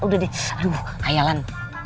udah deh aduh khayalan